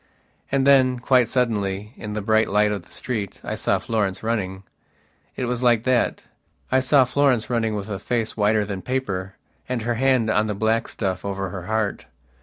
And then, quite suddenly, in the bright light of the street, I saw Florence running. It was like thatI saw Florence running with a face whiter than paper and her hand on the black stuff over her heart.